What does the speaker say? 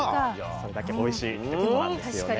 それだけおいしいってことなんですよね。